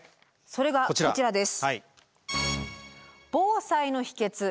それがこちらです。